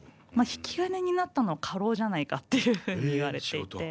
引き金になったのは過労じゃないかっていうふうに言われていて。